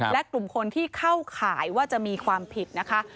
และกลุ่มคนที่เข้าข่ายว่าจะมีความผิดนะคะ